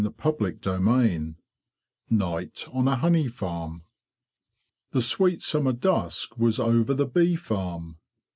CHAPTER Vit NIGHT ON A HONEY FARM THE sweet summer dusk was over the bee farm.